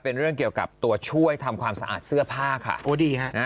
เป็นเรื่องเกี่ยวกับตัวช่วยทำความสะอาดเสื้อผ้าค่ะโอ้ดีฮะ